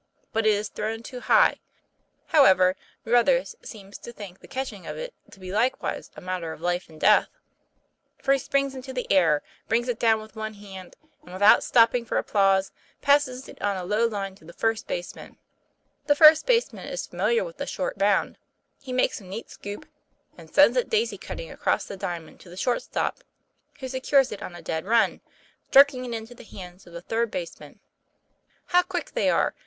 But it is thrown too high ; however, Ruthers seems to think the catching of it to be likewise a matter of life and death, for he springs into the air, brings it down with one hand, and without stopping for applause passes it on a low line to the first baseman. The first baseman is familiar with the short bound; he makes a neat scoop, then sends it daisy cutting across the diamond to the short stop, who secures it on a dead run, jerking it into the hands of the third baseman. How quick they are!